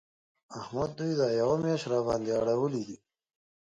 احمد دوی دا یوه مياشت راباندې اړولي دي.